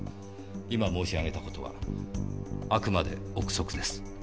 今申しあげたことはあくまで憶測です。